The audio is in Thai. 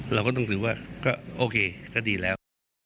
เราก็ต้องถือว่าก็โอเคก็ดีแล้ว